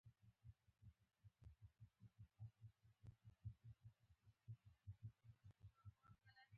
نوي مبحثونه راته په زړه پورې شوي وو.